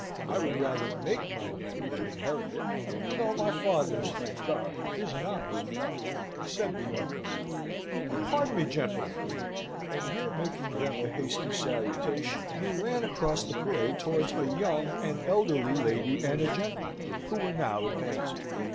I would rather make my name than inherit it, though my father's, thank God, is an honest one," said the young Colonel. "But pardon me, gentlemen," and here making, them a hasty salutation, he ran across the parade towards a young and elderly lady and a gentleman, who were now advancing.